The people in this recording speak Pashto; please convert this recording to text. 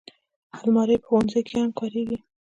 الماري په ښوونځي کې هم کارېږي